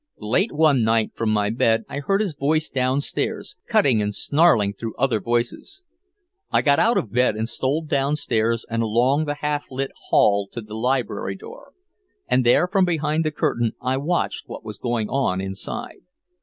Late one night from my bed I heard his voice downstairs, cutting and snarling through other voices. I got out of bed and stole downstairs and along the half lit hall to the library door, and there from behind the curtain I watched what was going on inside.